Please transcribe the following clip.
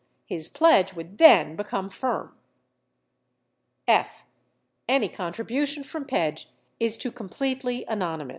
His pledge would then become firm. (f) Any contribution from Pedge is to completely anony mous.